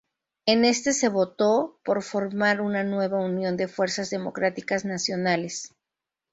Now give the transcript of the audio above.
En este se votó por formar una nueva unión de "fuerzas democráticas nacionales".